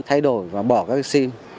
thay đổi và bỏ các sim